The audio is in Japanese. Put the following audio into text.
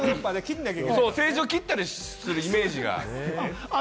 政治を切ったりするイメージが。